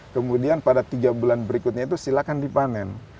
kemudian pada tiga bulan berikutnya itu silakan dipanen